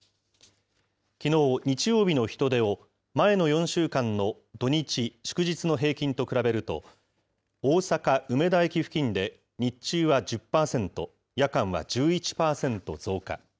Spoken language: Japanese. きのう日曜日の人出を、前の４週間の土日、祝日の平均と比べると、大阪・梅田駅付近で日中は１０％、夜間は１１％増加。